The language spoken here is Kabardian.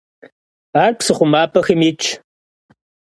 Ar psı xhumap'exem yitş.